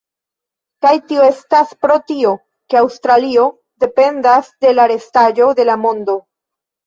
Kaj tio estas pro tio, ke Aŭstralio dependas de la restaĵo de la mondo.